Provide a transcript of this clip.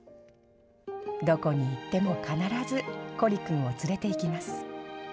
どこに行っても必ずこり君を連れていきます。